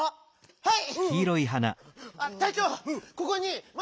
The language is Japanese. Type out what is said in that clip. はい！